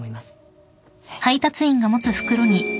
はい。